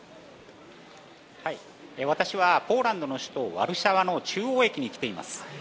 私はポーランドの首都ワルシャワの中央駅に来ています。